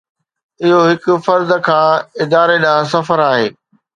اهو هڪ فرد کان اداري ڏانهن سفر آهي.